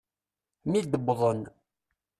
Mi d-wwḍen.